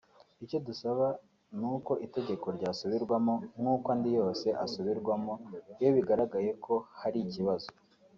icyo dusaba ni uko itegeko ryasubirwamo nk’uko andi yose asubirwamo iyo bigaragaye ko hari ikibazo